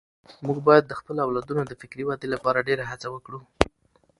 موږ باید د خپلو اولادونو د فکري ودې لپاره ډېره هڅه وکړو.